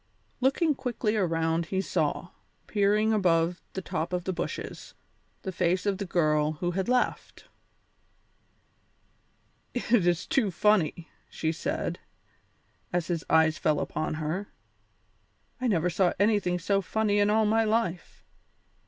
Looking quickly around, he saw, peering above the tops of the bushes, the face of the girl who had laughed. "It is too funny!" she said, as his eyes fell upon her. "I never saw anything so funny in all my life.